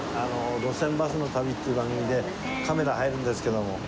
『路線バスの旅』っていう番組でカメラ入るんですけども。